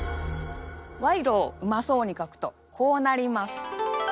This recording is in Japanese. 賄賂をうまそうに書くとこうなります。